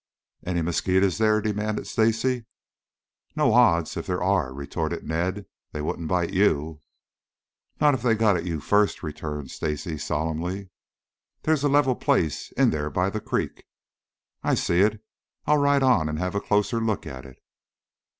"Any mosquitoes there?" demanded Stacy. "No odds, if there are," retorted Ned. "They wouldn't bite you." "Not if they had got at you first," returned Stacy solemnly. "There's a level place in there by the creek." "I see it. I'll ride on and have a closer look at it."